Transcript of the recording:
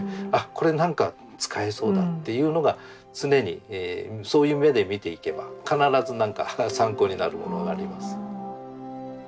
これ何か使えそうだっていうのが常にそういう目で見ていけば必ず何か参考になるものがあります。